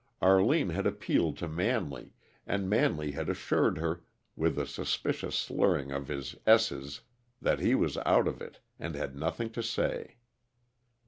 Arline had appealed to Manley, and Manley had assured her, with a suspicious slurring of his esses that he was out of it, and had nothing to say.